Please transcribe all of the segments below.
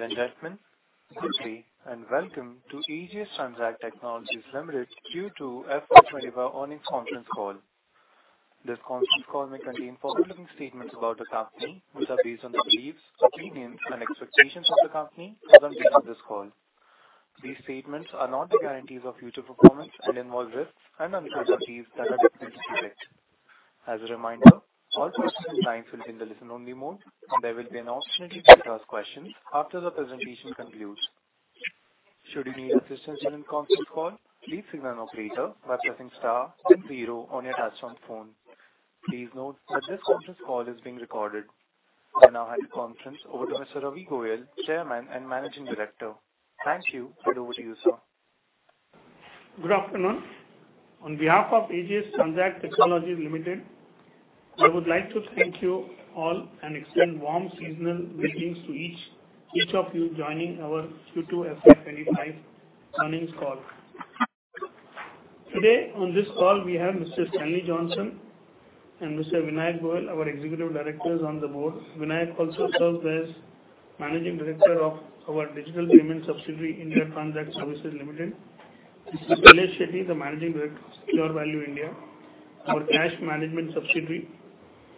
Ladies and gentlemen, good day and welcome to AGS Transact Technologies Limited Q2 FY 2025 Earnings Conference Call. This conference call may contain public statements about the company, which are based on the beliefs, opinions, and expectations of the company presented in this call. These statements are not the guarantees of future performance and involve risks and uncertainties that are difficult to predict. As a reminder, all participant lines will be in the listen-only mode, and there will be an opportunity to ask questions after the presentation concludes. Should you need assistance during the conference call, please signal an operator by pressing star and zero on your touchtone phone. Please note that this conference call is being recorded. I now hand the conference over to Mr. Ravi Goyal, Chairman and Managing Director. Thank you, and over to you, sir. Good afternoon. On behalf of AGS Transact Technologies Limited, I would like to thank you all and extend warm seasonal greetings to each of you joining our Q2 FY 2025 earnings call. Today, on this call, we have Mr. Stanley Johnson and Mr. Vinayak Goyal, our Executive Directors on the board. Vinayak also serves as Managing Director of our Digital Payment Subsidiary, India Transact Services Limited. Mr. Dilesh Shetty, the Managing Director of Secure Value India, our Cash Management Subsidiary,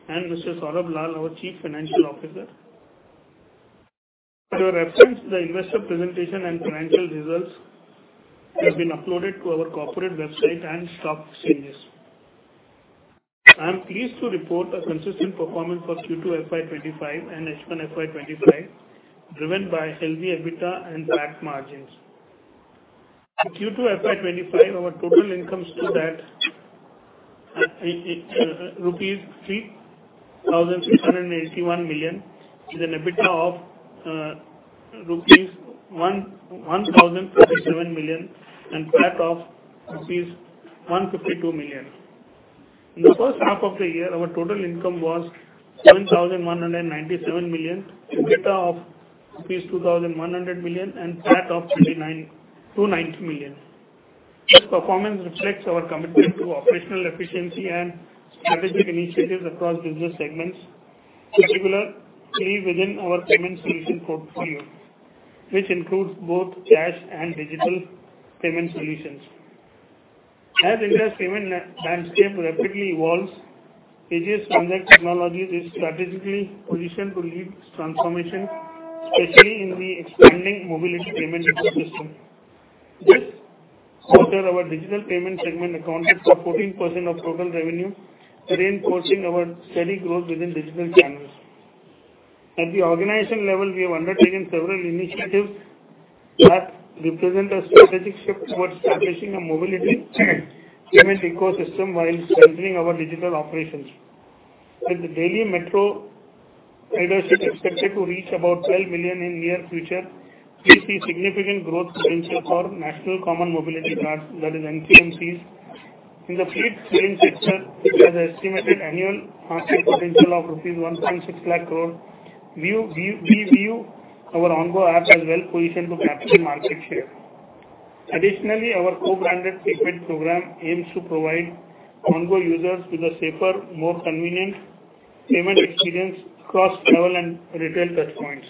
and Mr. Saurabh Lal, our Chief Financial Officer. To your reference, the investor presentation and financial results have been uploaded to our corporate website and stock exchanges. I am pleased to report a consistent performance for Q2 FY 2025 and H1 FY 2025, driven by healthy EBITDA and flat margins. In Q2 FY 2025, our total income stood at rupees 3,681,000,000, with an EBITDA of rupees 1,057,000,000 and PAT of rupees 1,520,000,000. In the first half of the year, our total income was 1,197,000,000, EBITDA of INR 2,100,000,000, and PAT of 2,900,000,000. This performance reflects our commitment to operational efficiency and strategic initiatives across business segments, particularly within our payment solution portfolio, which includes both cash and digital payment solutions. As India's payment landscape rapidly evolves, AGS Transact Technologies is strategically positioned to lead transformation, especially in the expanding mobility payment ecosystem. This quarter, our digital payment segment accounted for 14% of total revenue, reinforcing our steady growth within digital channels. At the organization level, we have undertaken several initiatives that represent a strategic shift towards establishing a mobility payment ecosystem while strengthening our digital operations. With the daily metro ridership expected to reach about 12 million in the near future, we see significant growth potential for National Common Mobility Cards, that is, NCMCs. In the fleet billing sector, there is an estimated annual market potential of rupees 1.6 lakh crores. We view our Ongo app as well positioned to capture market share. Additionally, our co-branded prepaid program aims to provide Ongo users with a safer, more convenient payment experience across travel and retail touchpoints.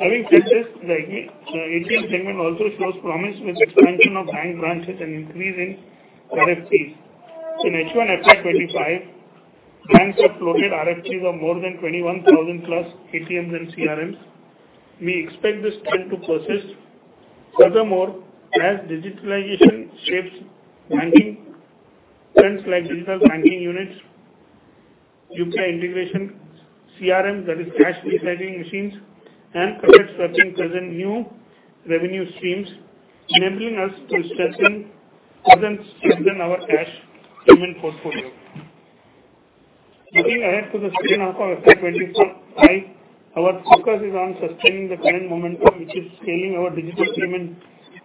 Having said this, the ATM segment also shows promise with expansion of bank branches and increase in RFPs. In H1 FY 2025, banks have floated RFPs of more than 21,000+ ATMs and CRMs. We expect this trend to persist. Furthermore, as digitalization shapes banking trends like digital banking units, UPI integration, CRMs, that is, cash recycling machines, and card swiping present new revenue streams, enabling us to strengthen our cash payment portfolio. Looking ahead to the second half of FY 2025, our focus is on sustaining the current momentum, which is scaling our digital payment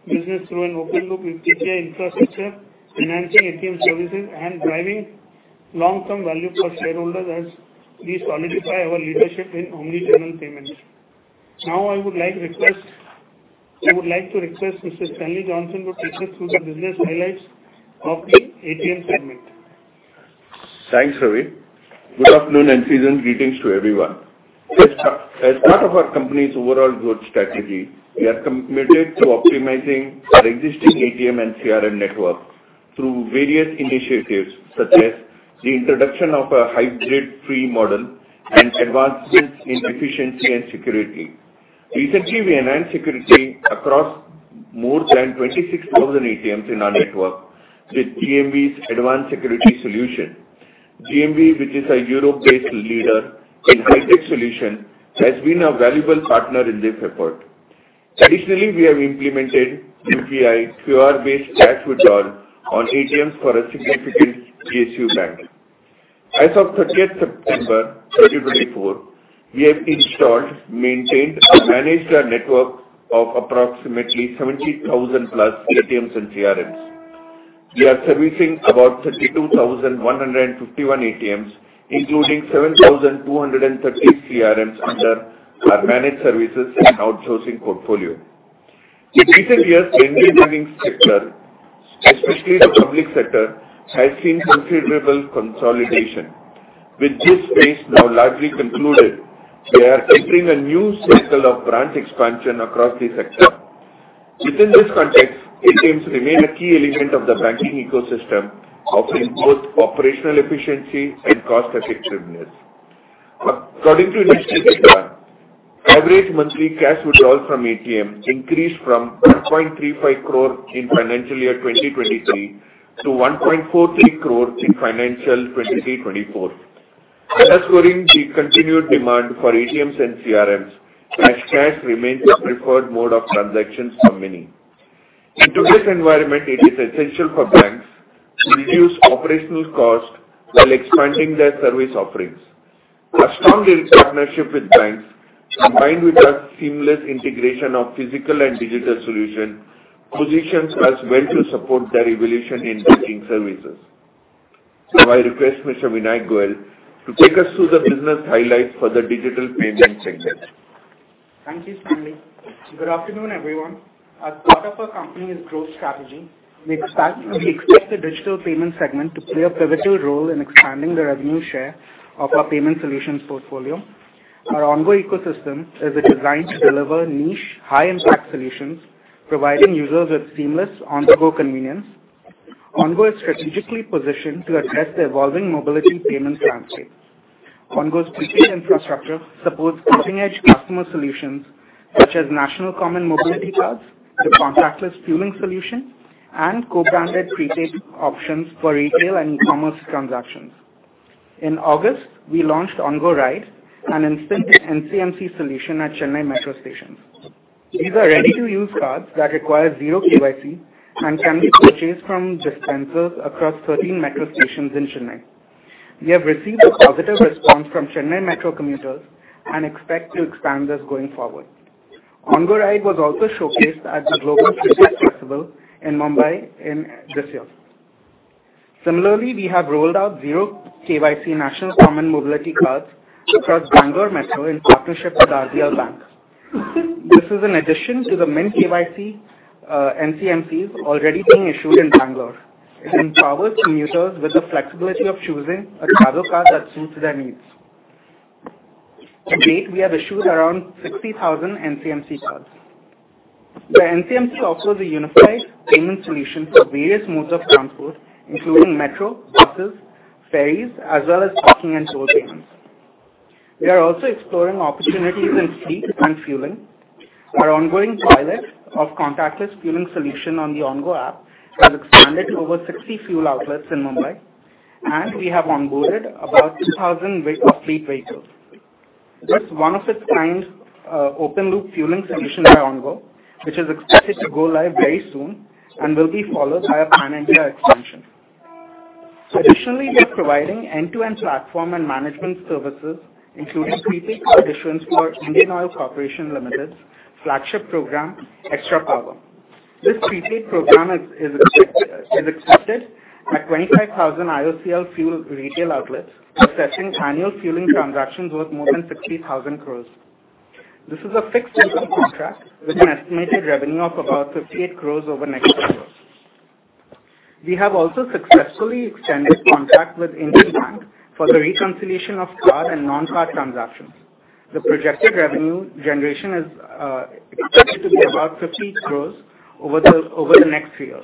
business through an open loop with PCI infrastructure, enhancing ATM services, and driving long-term value for shareholders as we solidify our leadership in omnichannel payment. Now, I would like to request Mr. Stanley Johnson to take us through the business highlights of the ATM segment. Thanks, Ravi. Good afternoon and seasonal greetings to everyone. As part of our company's overall growth strategy, we are committed to optimizing our existing ATM and CRM network through various initiatives such as the introduction of a hybrid model and advancements in efficiency and security. Recently, we enhanced security across more than 26,000 ATMs in our network with GMV's advanced security solution. GMV, which is a Europe-based leader in high-tech solutions, has been a valuable partner in this effort. Additionally, we have implemented UPI QR-based cash withdrawal on ATMs for a significant SBI bank. As of 30th September 2024, we have installed, maintained, and managed a network of approximately 70,000+ ATMs and CRMs. We are servicing about 32,151 ATMs, including 7,230 CRMs under our managed services and outsourcing portfolio. The recent years in the banking sector, especially the public sector, have seen considerable consolidation. With this phase now largely concluded, we are entering a new cycle of branch expansion across the sector. Within this context, ATMs remain a key element of the banking ecosystem, offering both operational efficiency and cost-effectiveness. According to initial data, average monthly cash withdrawals from ATMs increased from 1.35 crore in financial year 2023 to 1.43 crore in financial year 2023-24. Underscoring the continued demand for ATMs and CRMs, cash remains the preferred mode of transactions for many. In today's environment, it is essential for banks to reduce operational costs while expanding their service offerings. A strong partnership with banks, combined with a seamless integration of physical and digital solutions, positions us well to support their evolution in banking services. Now, I request Mr. Vinayak Goyal to take us through the business highlights for the digital payment segment. Thank you, Stanley. Good afternoon, everyone. As part of our company's growth strategy, we expect the digital payment segment to play a pivotal role in expanding the revenue share of our payment solutions portfolio. Our ongoing ecosystem is designed to deliver niche, high-impact solutions, providing users with seamless on-the-go convenience. Ongo is strategically positioned to address the evolving mobility payment landscape. Ongo's prepaid infrastructure supports cutting-edge customer solutions such as National Common Mobility Cards, the contactless fueling solution, and co-branded prepaid options for retail and e-commerce transactions. In August, we launched Ongo Ride, an instant NCMC solution at Chennai Metro stations. These are ready-to-use cards that require zero KYC and can be purchased from dispensers across 13 metro stations in Chennai. We have received a positive response from Chennai Metro commuters and expect to expand this going forward. Ongo Ride was also showcased at the Global Fintech Festival in Mumbai this year. Similarly, we have rolled out zero KYC National Common Mobility Cards across Bangalore Metro in partnership with RBL Bank. This is in addition to the many KYC NCMCs already being issued in Bangalore. It empowers commuters with the flexibility of choosing a travel card that suits their needs. To date, we have issued around 60,000 NCMC cards. The NCMC offers a unified payment solution for various modes of transport, including metro, buses, ferries, as well as parking and toll payments. We are also exploring opportunities in fleet and fueling. Our ongoing pilot of contactless fueling solution on the Ongo app has expanded to over 60 fuel outlets in Mumbai, and we have onboarded about 2,000 fleet vehicles. This is one of a kind, open-loop fueling solutions by Ongo, which is expected to go live very soon and will be followed by a pan-India expansion. Additionally, we are providing end-to-end platform and management services, including prepaid card issuance for Indian Oil Corporation Limited's flagship program, XTRAPower. This prepaid program is expected at 25,000 IOCL fuel retail outlets, accessing annual fueling transactions worth more than 60,000 crores. This is a fixed-income contract with an estimated revenue of about 58 crores over next quarter. We have also successfully extended contract with Indian Bank for the reconciliation of card and non-card transactions. The projected revenue generation is expected to be about 50 crores over the next three years.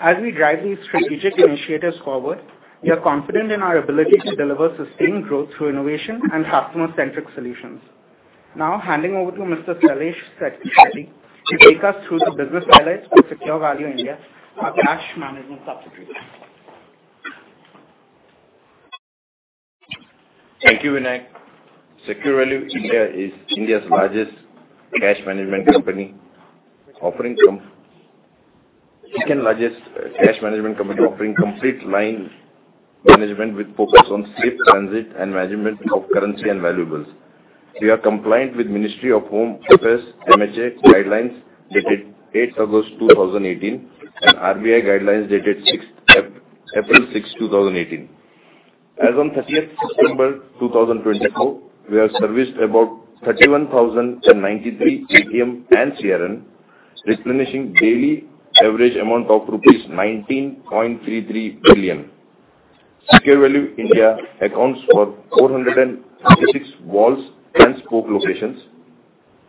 As we drive these strategic initiatives forward, we are confident in our ability to deliver sustained growth through innovation and customer-centric solutions. Now, handing over to Mr. Dilesh Shetty to take us through the business highlights for Secure Value India, our cash management subsidiary. Thank you, Vinayak. Secure Value India is India's largest cash management company, offering the second largest cash management company offering complete line management with focus on safe transit and management of currency and valuables. We are compliant with the Ministry of Home Affairs (MHA) guidelines dated 8 August 2018 and RBI guidelines dated 6 April 2018. As of 30th September 2024, we have serviced about 31,093 ATM and CRM, replenishing daily average amount of rupees 19.33 billion. Secure Value India accounts for 436 hub and spoke locations.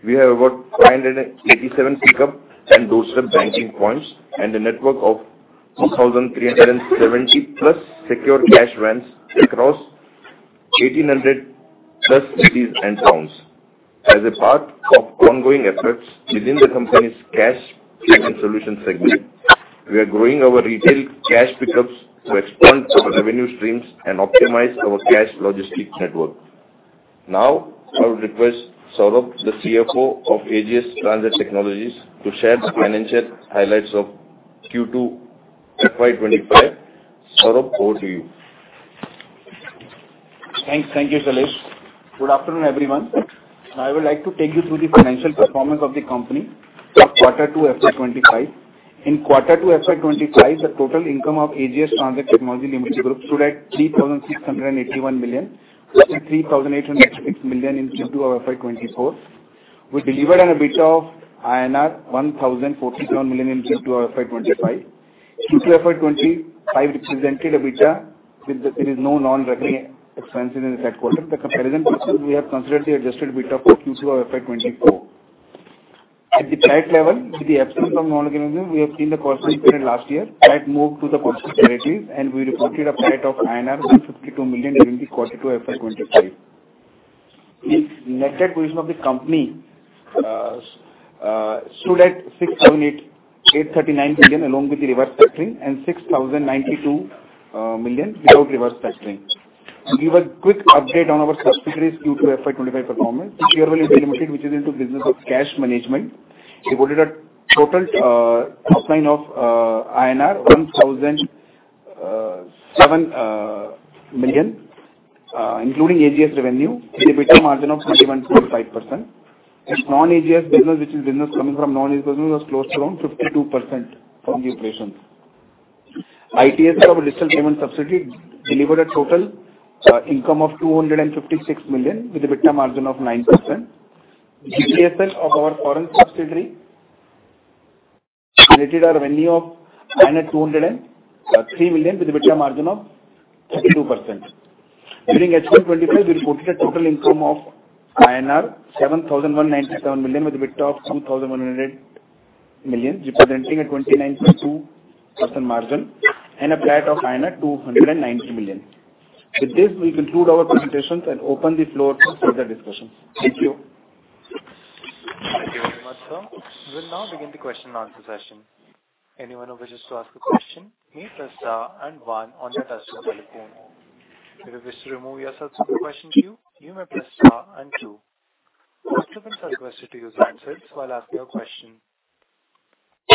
We have about 587 pickup and doorstep banking points and a network of 2,370 plus secure cash vans across 1,800 plus cities and towns. As a part of ongoing efforts within the company's cash payment solution segment, we are growing our retail cash pickups to expand our revenue streams and optimize our cash logistics network. Now, I would request Saurabh, the CFO of AGS Transact Technologies, to share the financial highlights of Q2 FY 2025. Saurabh, over to you. Thank you, Dilesh. Good afternoon, everyone. I would like to take you through the financial performance of the company for Q2 FY 2025. In Q2 FY 2025, the total income of AGS Transact Technologies Limited Group stood at INR 3,681,000,000, which is INR 3,886,000,000 in Q2 of FY24. We delivered an EBITDA of INR 1,047,000,000 in Q2 of FY 2025. Q2 FY 2025 represented EBITDA with no non-recurring expenses in the third quarter. The comparison purposes we have considered the adjusted EBITDA for Q2 of FY24. At the PAT level, with the absence of non-recurring, we have seen the cost increased last year. That moved to the cost parities, and we reported a PAT of INR 1,052,000,000 during Q2 FY 2025. The net position of the company stood at 6,739,000,000 along with the reverse factoring and 6,092,000,000 without reverse factoring. We were quick to update on our subsidiaries' Q2 FY 2025 performance. Secure Value India Limited, which is into the business of cash management, reported a total top line of INR 1,007,000,000, including AGS revenue, with an EBITDA margin of 21.5%. Its non-AGS business, which is business coming from non-AGS business, was close to around 52% from the operations. ITSL, our digital payment subsidiary delivered a total income of 256,000,000 with an EBITDA margin of 9%. GTSL of our foreign subsidiary generated a revenue of INR 203,000,000 with an EBITDA margin of 32%. During H1 25, we reported a total income of INR 7,197,000,000 with an EBITDA of 2,100,000,000, representing a 29.2% margin and a PAT of 290,000,000. With this, we conclude our presentations and open the floor for further discussions. Thank you. Thank you very much, sir. We will now begin the question-and-answer session. Anyone who wishes to ask a question may press star and one on their touchscreen telephone. If you wish to remove yourself from the question queue, you may press star and two. Participants are requested to use handsets while asking a question.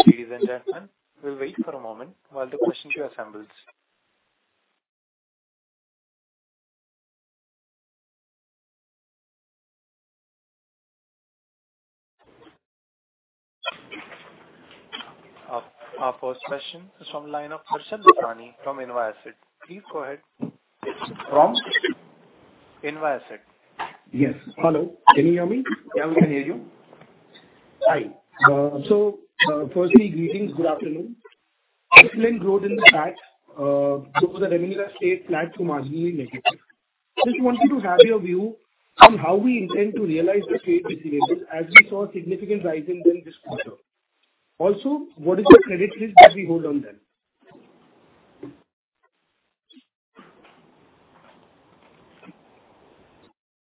Ladies and gentlemen, we'll wait for a moment while the question queue assembles. Our first question is from the line of Parshil Doshi from InvaAsset. Please go ahead. From? InvaAsset. Yes. Hello. Can you hear me? Yeah, we can hear you. Hi. So firstly, greetings. Good afternoon. Excellent growth in the stats. So the revenues are staying flat to marginally negative. Just wanted to have your view on how we intend to realize the trade receivables as we saw a significant rise in them this quarter. Also, what is the credit risk that we hold on them?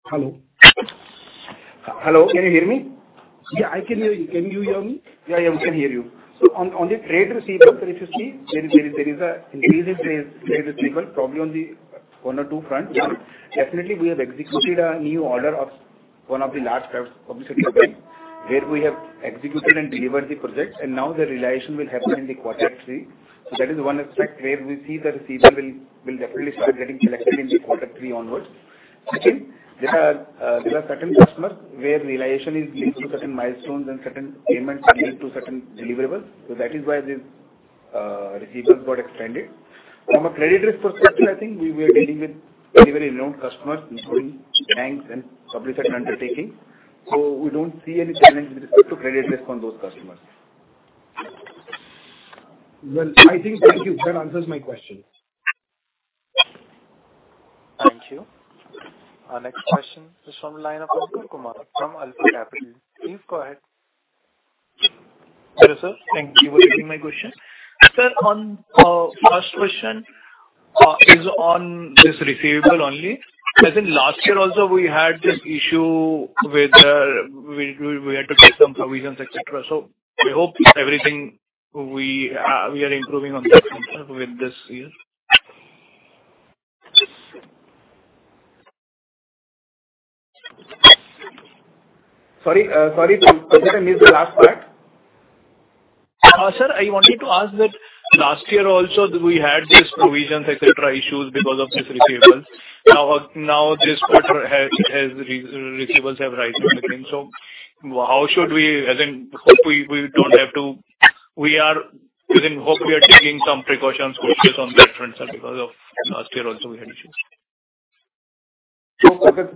Hello. Hello. Can you hear me? Yeah, I can hear you. Can you hear me? Yeah, yeah, we can hear you. So on the trade receivables, if you see, there is an increase in trade receivables, probably on the one or two front. Definitely, we have executed a new order of one of the last publicity events where we have executed and delivered the project, and now the realization will happen in the quarter three. So that is one aspect where we see the receivables will definitely start getting collected in the quarter three onwards. Second, there are certain customers where realization is linked to certain milestones and certain payments linked to certain deliverables. So that is why the receivables got extended. From a credit risk perspective, I think we were dealing with very renowned customers, including banks and public sector undertakings. So we don't see any challenge with respect to credit risk on those customers. I think that answers my question. Thank you. Our next question is from the line of Ankur Kumar from Alpha Capital. Please go ahead. Hello, sir. Thank you for taking my question. Sir, on the first question is on this receivable only. As in last year also, we had this issue where we had to take some provisions, etc. So I hope everything we are improving on this with this year. Sorry, didn't hear, is the last part? Sir, I wanted to ask that last year also we had these provisions, etc., issues because of these receivables. Now this quarter, receivables have risen again. So how should we hope we don't have to? We are taking some precautions on that front because last year also we had issues. So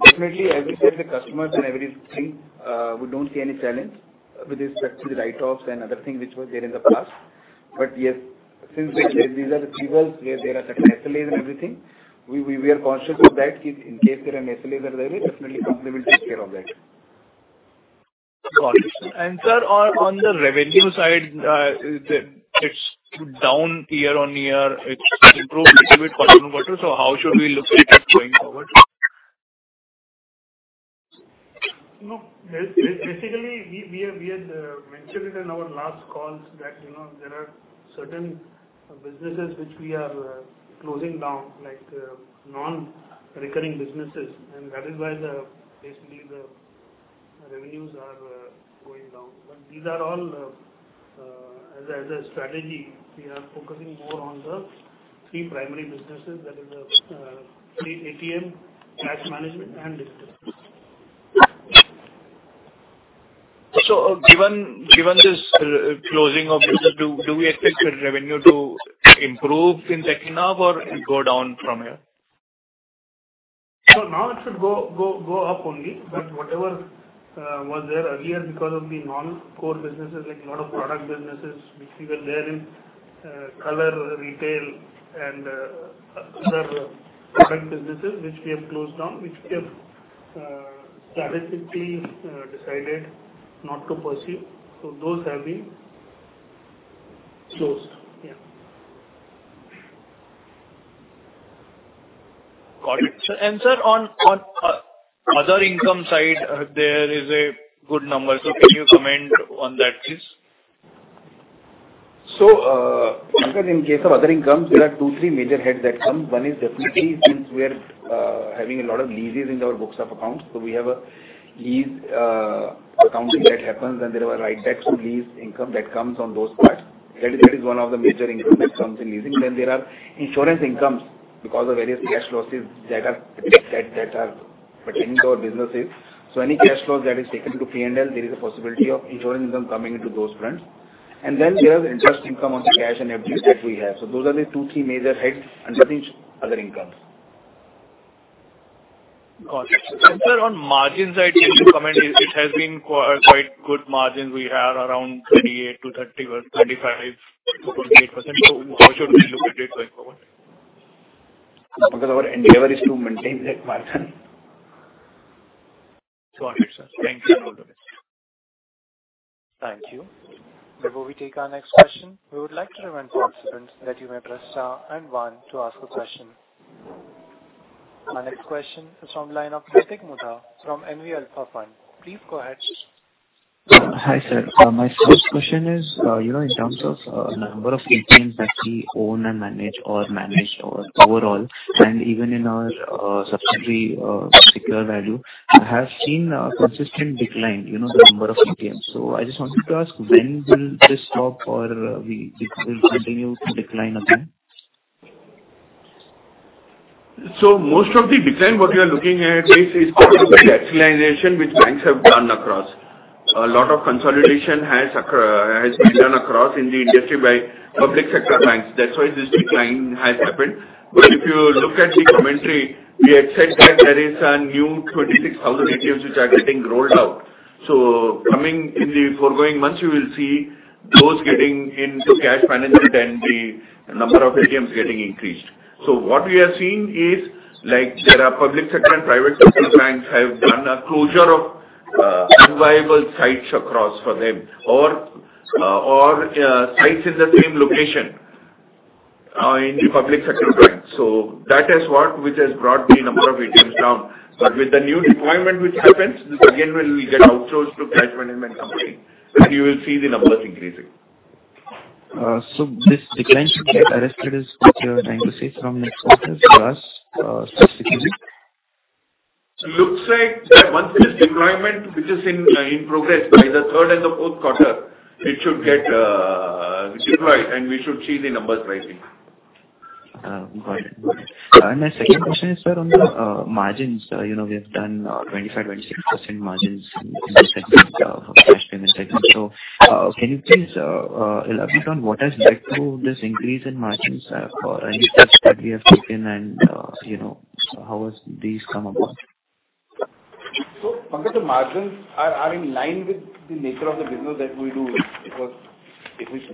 definitely, as you said, the customers and everything, we don't see any challenge with respect to the write-offs and other things which were there in the past. But yes, since these are receivables where there are certain SLAs and everything, we are conscious of that. In case there are any SLAs that are there, definitely we will take care of that. And sir, on the revenue side, it's down year on year. It's improved a little bit quarter on quarter. So how should we look at it going forward? Basically, we had mentioned it in our last calls that there are certain businesses which we are closing down, like non-recurring businesses. And that is why basically the revenues are going down. But these are all, as a strategy, we are focusing more on the three primary businesses, that is the ATM, cash management, and digital. So given this closing of business, do we expect the revenue to improve in the second half or go down from here? So now it should go up only. But whatever was there earlier because of the non-core businesses, like a lot of product businesses which we were there in, Colour retail and other product businesses which we have closed down, which we have strategically decided not to pursue. So those have been closed. Yeah. Got it. And sir, on other income side, there is a good number. So can you comment on that, please? Because in case of other incomes, there are two, three major heads that come. One is definitely since we are having a lot of leases in our books of accounts. We have a lease accounting that happens, and there are write-backs to lease income that comes on those parts. That is one of the major incomes that comes in leasing. Then there are insurance incomes because of various cash losses that are pertaining to our businesses. Any cash loss that is taken to P&L, there is a possibility of insurance income coming into those fronts. And then there are interest income on the cash and everything that we have. Those are the two, three major heads under other incomes. Got it. And sir, on margin side, can you comment? It has been quite good margins. We are around 28% to 30%, 25%, 28%. So how should we look at it going forward? Because our endeavor is to maintain that margin. Got it, sir. Thank you. Thank you. Before we take our next question, we would like to remind participants that you may press star and one to ask a question. Our next question is from the line of Naitik Mody from NV Alpha Fund. Please go ahead. Hi sir. My first question is in terms of the number of ATMs that we own and manage or manage overall, and even in our subsidiary Secure Value, I have seen a consistent decline, the number of ATMs. So I just wanted to ask, when will this stop or will it continue to decline again? So most of the decline what we are looking at is the externalization which banks have done across. A lot of consolidation has been done across in the industry by public sector banks. That's why this decline has happened. But if you look at the commentary, we had said that there is a new 26,000 ATMs which are getting rolled out. So coming in the forthcoming months, you will see those getting into cash management and the number of ATMs getting increased. So what we have seen is there are public sector and private sector banks have done a closure of unviable sites across for them or sites in the same location in the public sector banks. So that is what has brought the number of ATMs down. But with the new deployment which happens, again, we'll get outsourced to cash management company, and you will see the numbers increasing. So this decline should be addressed with your bank receipts from next quarter plus specifically? Looks like once this deployment, which is in progress by the third and the fourth quarter, it should get deployed, and we should see the numbers rising. Got it. And my second question is, sir, on the margins. We have done 25%-26% margins in the cash payment segment. So can you please elaborate on what has led to this increase in margins or any steps that we have taken, and how has these come about? Margins are in line with the nature of the business that we do. Because if we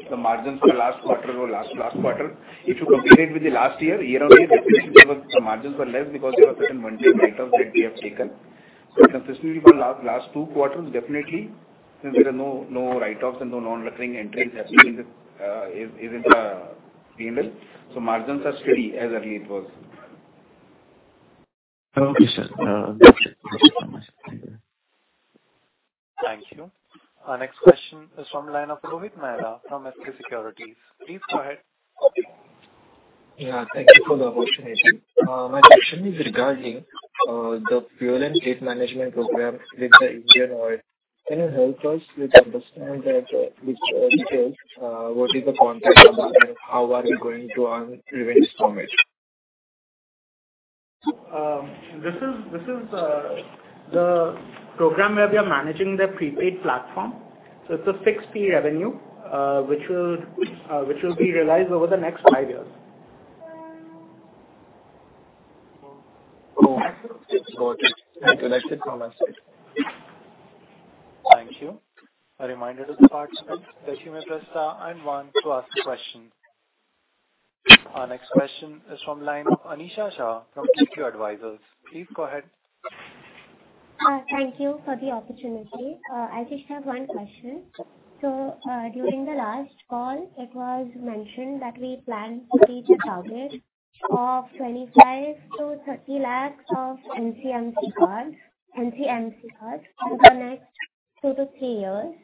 see the margins for last quarter or last last quarter, if you compare it with the last year, year on year, the margins were less because there were certain one-time write-offs that we have taken. So consistently for last two quarters, definitely, since there are no write-offs and no non-recurring entries happening within the P&L, so margins are steady as they were. Okay, sir. Thank you so much. Thank you. Thank you. Our next question is from the line of Rohit Mehra from SK Securities. Please go ahead. Yeah, thank you for the opportunity. My question is regarding the P&L management program with the Indian Oil. Can you help us with understanding the details? What is the contract number, and how are we going to earn revenues from it? This is the program where we are managing the prepaid platform, so it's a fixed fee revenue which will be realized over the next five years. Got it. Thank you. That's it from my side. Thank you. A reminder to the participants that you may press star and one to ask a question. Our next question is from the line of Anisha Shah from KQ Advisors. Please go ahead. Thank you for the opportunity. I just have one question. So during the last call, it was mentioned that we plan to reach a target of 25-30 lakhs of NCMC cards in the next two to three years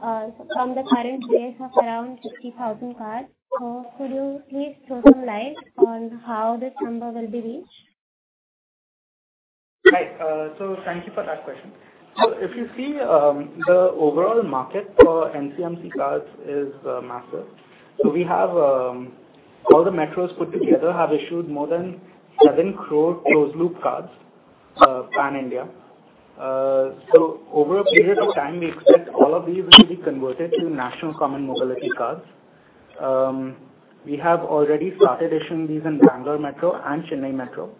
from the current base of around 50,000 cards. So could you please throw some light on how this number will be reached? Right. So thank you for that question. So if you see, the overall market for NCMC cards is massive. So we have all the metros put together have issued more than 7 crore closed-loop cards pan-India. So over a period of time, we expect all of these will be converted to national common mobility cards. We have already started issuing these in Bangalore Metro and Chennai Metro.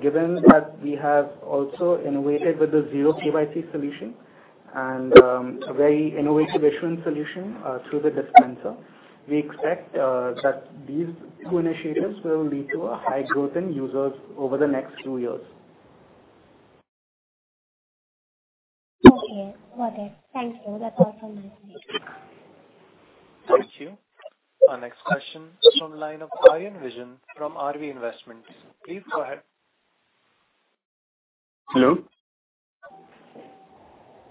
Given that we have also innovated with the zero KYC solution and a very innovative issuance solution through the dispenser, we expect that these two initiatives will lead to a high growth in users over the next few years. Okay. Got it. Thank you. That's all from my side. Thank you. Our next question is from the line of Aryan Vision from RV Investments. Please go ahead. Hello?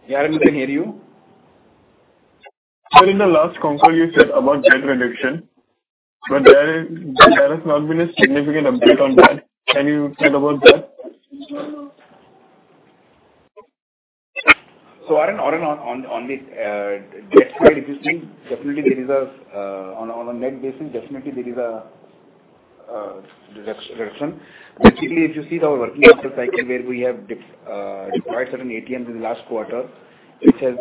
Yeah, I can hear you. Sir, in the last conference, you said about debt reduction, but there has not been a significant update on that. Can you tell about that? So, Aryan, on the debt side, definitely, on a net basis, there is a reduction. Basically, if you see our working cycle where we have deployed certain ATMs in the last quarter, which has,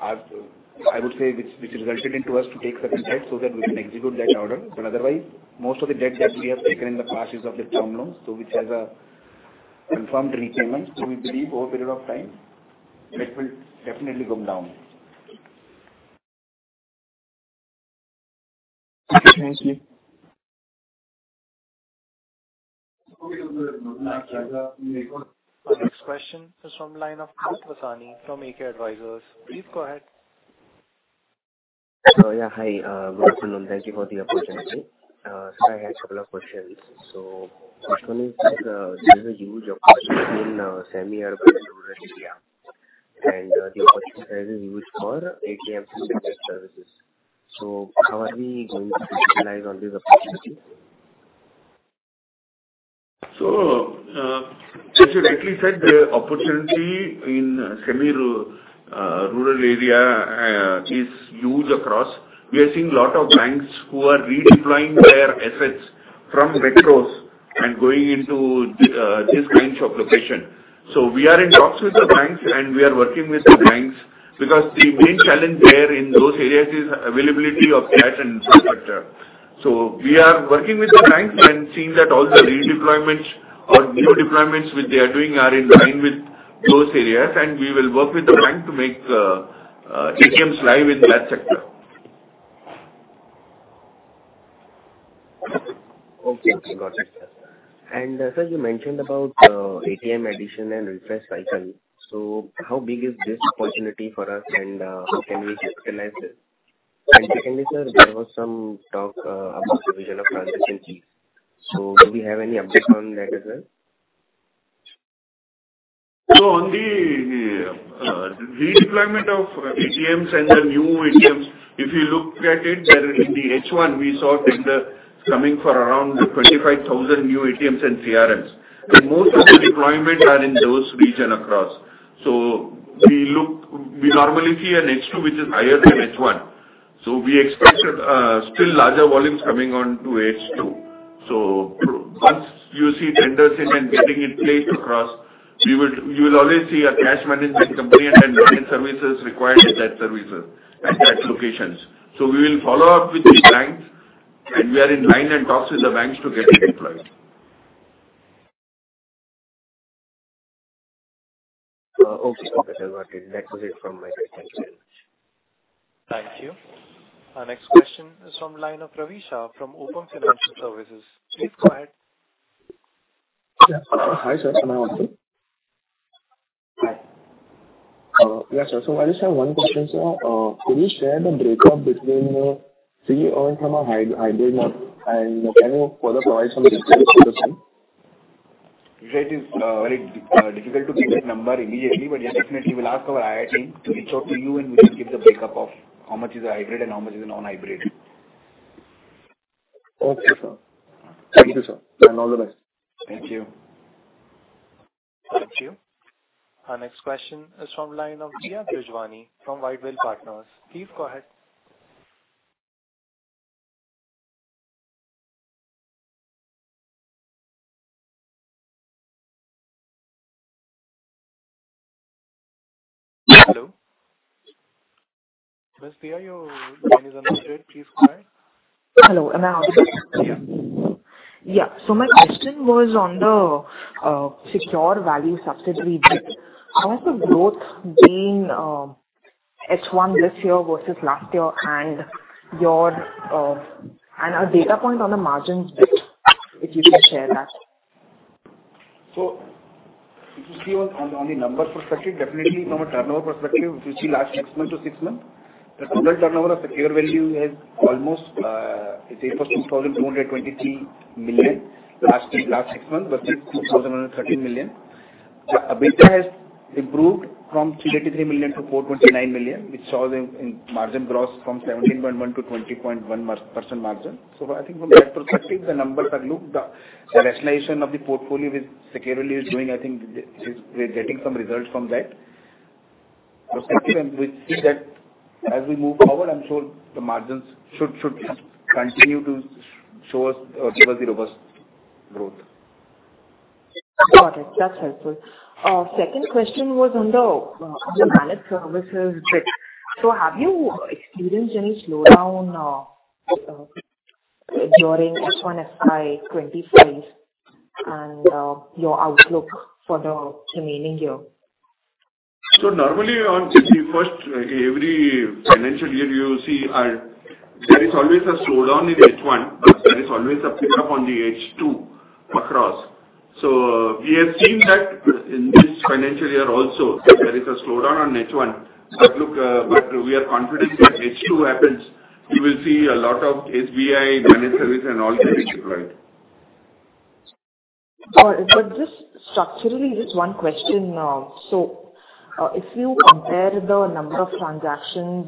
I would say, resulted into us to take certain debts so that we can execute that order. But otherwise, most of the debt that we have taken in the past is of the term loans, so which has a confirmed repayment. So we believe over a period of time, it will definitely come down. Thank you. Our next question is from the line of Anant Vasani from AK Advisors. Please go ahead. Hello. Yeah, hi. Good afternoon. Thank you for the opportunity. Sir, I had a couple of questions. So first one is there is a huge opportunity in semi-urban rural India, and the opportunity is huge for ATM services. So how are we going to utilize all these opportunities? So as you rightly said, the opportunity in semi-rural area is huge across. We are seeing a lot of banks who are redeploying their assets from metros and going into this kind of location. So we are in talks with the banks, and we are working with the banks because the main challenge there in those areas is availability of cash and infrastructure. So we are working with the banks and seeing that all the redeployments or new deployments which they are doing are in line with those areas, and we will work with the bank to make ATMs live in that sector. Okay. Got it. And sir, you mentioned about the ATM addition and refresh cycle. So how big is this opportunity for us, and can we capitalize this? And secondly, sir, there was some talk about the division of transition fees. So do we have any updates on that as well? So, on the redeployment of ATMs and the new ATMs, if you look at it, in the H1, we saw that there is coming for around 25,000 new ATMs and CRMs. So most of the deployments are in those regions across. So we normally see an H2 which is higher than H1. So we expect still larger volumes coming onto H2. So once you see tenders in and getting in place across, you will always see a cash management company, and then services required in that services at that locations. So we will follow up with the banks, and we are in line and talks with the banks to get it deployed. Okay. That is what it is from my side. Thank you. Thank you. Our next question is from the line of Ravi Shah from Open Financial Services. Please go ahead. Yeah. Hi, sir. Can I answer? Hi. Yeah, sir. So I just have one question, sir. Can you share the breakup between CMS and from a hybrid model? And can you further provide some details to the team? That is very difficult to give a number immediately, but yeah, definitely, we'll ask our IR team to reach out to you, and we can give the break-up of how much is a hybrid and how much is a non-hybrid. Okay, sir. Thank you, sir. And all the best. Thank you. Thank you. Our next question is from the line of Diya Gujwani from White Whale Partners. Please go ahead. Yeah. Hello? Ms. Deya, your line is open. Please go ahead. Hello. Am I audible? Yeah. Yeah. So my question was on the Secure Value subsidiary bit. How has the growth been H1 this year versus last year? And our data point on the margins bit, if you can share that. So if you see on the number perspective, definitely from a turnover perspective, if you see last six months to six months, the total turnover of Secure Value has almost it's 8,223 million last six months, but it's 2,113 million. The EBITDA has improved from 383 million to 429 million, which shows in margin growth from 17.1%-20.1% margin. So I think from that perspective, the numbers are looked at. The rationalization of the portfolio with Secure Value is doing, I think we're getting some results from that. We see that as we move forward, I'm sure the margins should continue to show us or give us the robust growth. Got it. That's helpful. Our second question was on the managed services bit. So have you experienced any slowdown during H1, FY 2025 and your outlook for the remaining year? So, normally on the first, every financial year you will see there is always a slowdown in H1, but there is always a pickup on the H2 across. So we have seen that in this financial year also, there is a slowdown on H1. But we are confident that H2 happens. You will see a lot of SBI managed service and all getting deployed. Got it. But just structurally, just one question. So if you compare the number of transactions,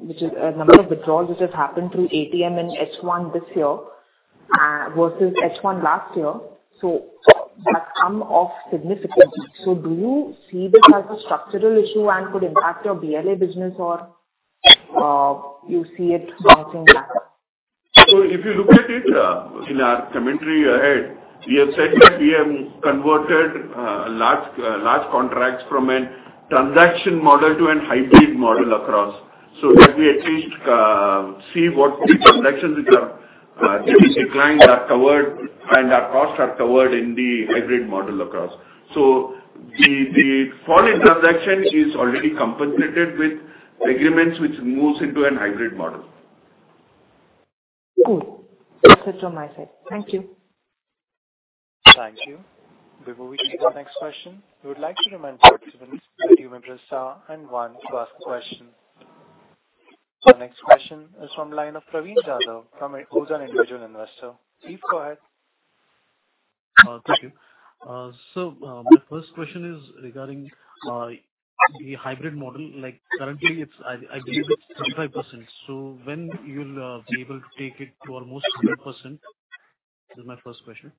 which is the number of withdrawals which have happened through ATM in H1 this year versus H1 last year, so that came off significantly. So do you see this as a structural issue and could impact your BLA business, or you see it bouncing back? So if you look at it in our commentary ahead, we have said that we have converted large contracts from a transaction model to a hybrid model across so that we at least see what transactions which are declined are covered and our costs are covered in the hybrid model across. So the fall in transaction is already compensated with agreements which moves into a hybrid model. Good. That's it from my side. Thank you. Thank you. Before we take the next question, we would like to remind participants that you may press star and one to ask a question. Our next question is from the line of Praveen Jadhav, who's an individual investor. Please go ahead. Thank you. So my first question is regarding the hybrid model. Currently, I believe it's 25%. So when you'll be able to take it to almost 100%? This is my first question.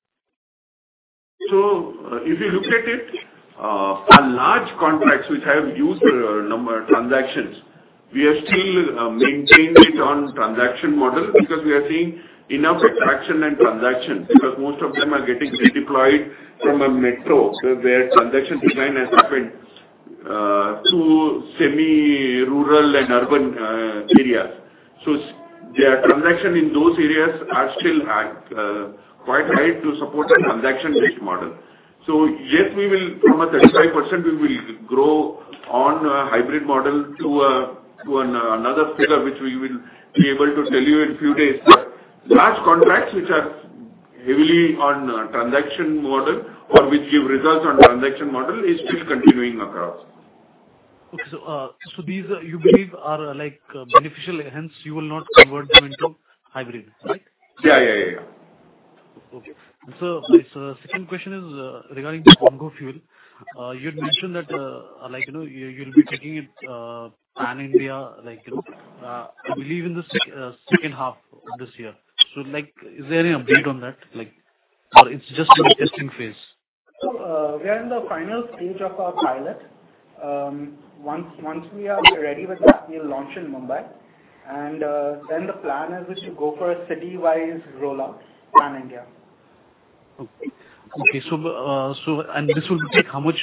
So if you look at it, for large contracts which have used transactions, we have still maintained it on transaction model because we are seeing enough traction and transactions because most of them are getting deployed from a metro where transaction density has happened to semi-rural and urban areas. So the transactions in those areas are still quite high to support the transaction-based model. So yes, from a 35%, we will grow on a hybrid model to another figure which we will be able to tell you in a few days. But large contracts which are heavily on transaction model or which give results on transaction model is still continuing across. Okay. So these you believe are beneficial, hence you will not convert them into hybrid, right? Yeah, yeah, yeah, yeah. Okay. And sir, my second question is regarding the Ongo fuel. You had mentioned that you'll be taking it pan-India. I believe in the second half of this year. So is there any update on that, or it's just in the testing phase? We are in the final stage of our pilot. Once we are ready with that, we'll launch in Mumbai. And then the plan is to go for a city-wide rollout pan-India. Okay. And this will take how much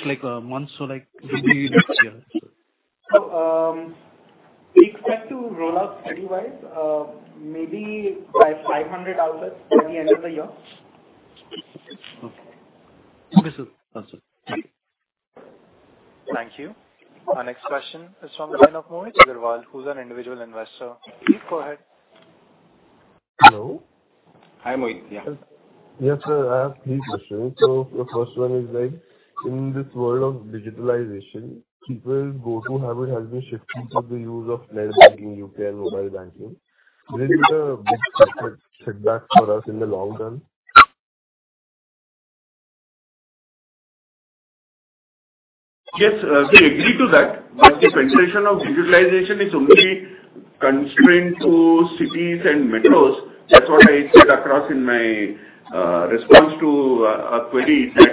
months or maybe next year? We expect to rollout city-wise maybe by 500 outlets by the end of the year. Okay. Okay, sir. That's it. Thank you. Thank you. Our next question is from the line of Mohit Agarwal, who's an individual investor. Please go ahead. Hello? Hi, Mohit. Yeah. Yes, sir. I have three questions. So the first one is in this world of digitalization, people go to hybrid has been shifting to the use of net banking, UPI, and mobile banking. Will it be a big setback for us in the long run? Yes, we agree to that. But the transition of digitalization is only constrained to cities and metros. That's what I said across in my response to a query that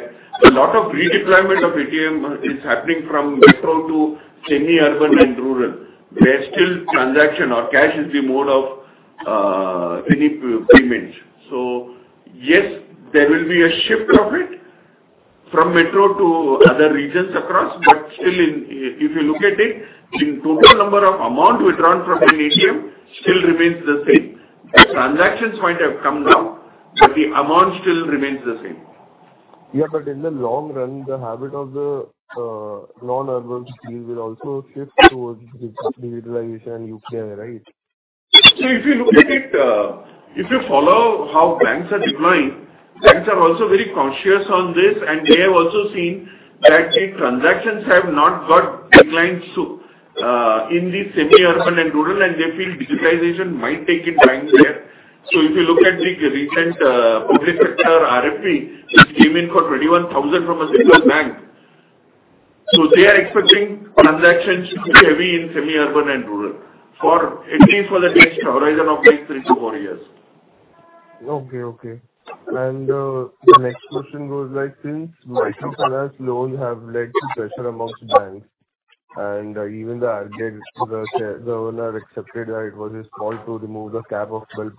a lot of redeployment of ATM is happening from metro to semi-urban and rural. There's still transaction or cash is the mode of any payment. So yes, there will be a shift of it from metro to other regions across, but still, if you look at it, the total number of amount withdrawn from an ATM still remains the same. The transactions might have come down, but the amount still remains the same. Yeah, but in the long run, the habit of the non-urban fuel will also shift towards digitalization and UPI, right? So if you look at it, if you follow how banks are deploying, banks are also very conscious on this, and they have also seen that the transactions have not got declined in the semi-urban and rural, and they feel digitalization might take it by there. So if you look at the recent public sector RFP, which came in for 21,000 from a central bank, so they are expecting transactions to be heavy in semi-urban and rural, at least for the next horizon of like three to four years. Okay, okay. And the next question goes like, since microfinance loans have led to pressure among banks, and even the RBI governor accepted that it was his fault to remove the cap of 12%,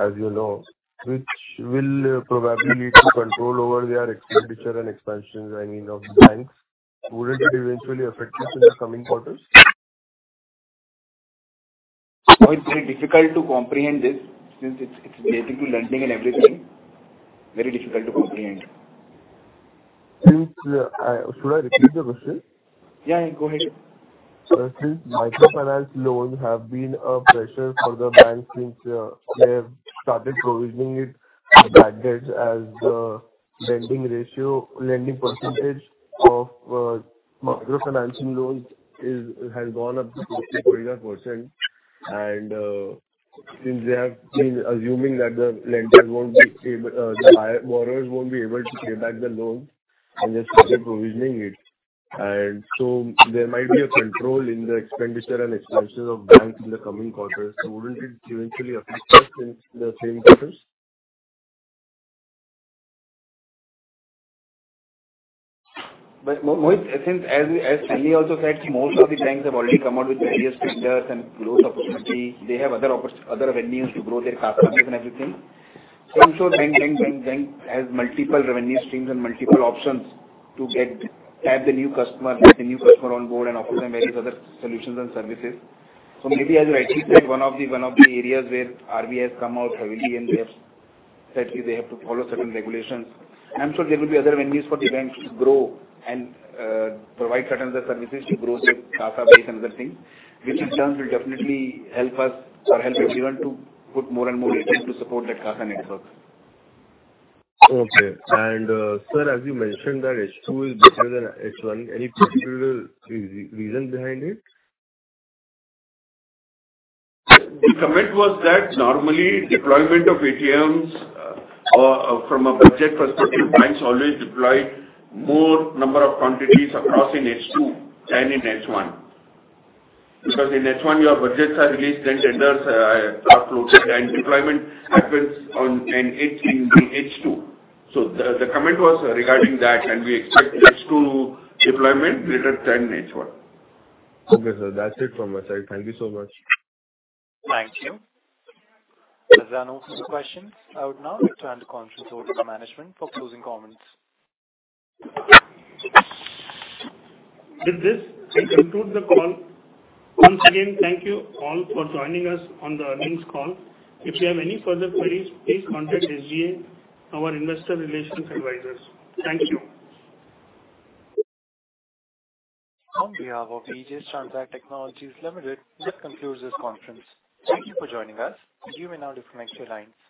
as you know, which will probably lead to control over their expenditure and expansions, I mean, of the banks. Wouldn't it eventually affect this in the coming quarters? It's very difficult to comprehend this since it's related to lending and everything. Very difficult to comprehend. Should I repeat the question? Yeah, go ahead. Since microfinance loans have been a pressure for the banks since they have started provisioning it back then, as the lending percentage of microfinancing loans has gone up to 20%-25%, and since they have been assuming that the lenders won't be able to pay back the loans and just keep provisioning it, and so there might be a control in the expenditure and expansion of banks in the coming quarters, so wouldn't it eventually affect us in the same quarters? Mohit, since as Stanley also said, most of the banks have already come out with various filters and growth opportunities. They have other avenues to grow their customers and everything. So I'm sure bank has multiple revenue streams and multiple options to get the new customer, get the new customer on board and offer them various other solutions and services. So maybe as you rightly said, one of the areas where RBI has come out heavily and they have said they have to follow certain regulations. I'm sure there will be other avenues for the banks to grow and provide certain other services to grow their customer base and other things, which in turn will definitely help us or help everyone to put more and more effort to support that customer network. Okay. And sir, as you mentioned that H2 is bigger than H1, any particular reason behind it? The comment was that normally deployment of ATMs from a budget perspective, banks always deploy more number of quantities across in H2 than in H1. Because in H1, your budgets are released, then tenders are floated, and deployment happens on average in the H2. So the comment was regarding that, and we expect H2 deployment greater than H1. Okay, sir. That's it from my side. Thank you so much. Thank you. There's no further questions. I would now like to hand the conference over to management for closing comments. With this, we conclude the call. Once again, thank you all for joining us on the earnings call. If you have any further queries, please contact SGA, our investor relations advisors. Thank you. From Ravi of AGS Transact Technologies Limited, this concludes this conference. Thank you for joining us. You may now disconnect your lines.